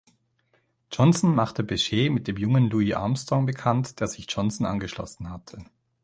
Johnson machte Bechet mit dem jungen Louis Armstrong bekannt, der sich Johnson angeschlossen hatte.